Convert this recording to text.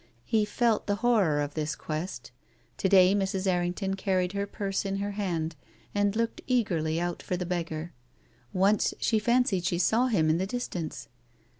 He felt the horror of this quest. To day Mrs. Errington carried her purse in her hand, and looked eagerly out for the beggar. Once she fancied she sav/ him in the distance.